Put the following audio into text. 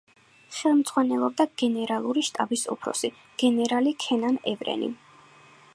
ხელმძღვანელობდა გენერალური შტაბის უფროსი, გენერალი ქენან ევრენი.